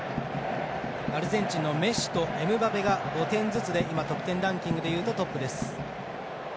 アルゼンチンのメッシとエムバペが５点ずつで今、得点ランキングでいうとトップです。